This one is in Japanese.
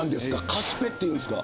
カスペっていうんですか。